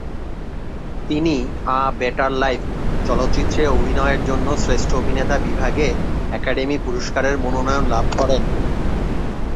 তিনি "a better life" চলচ্চিত্রে অভিনয়ের জন্য শ্রেষ্ঠ অভিনেতা বিভাগে একাডেমি পুরস্কারের মনোনয়ন লাভ করেন।